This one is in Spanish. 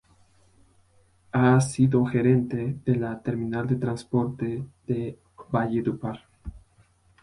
Ha sido Gerente de la Terminal de Transporte de Valledupar.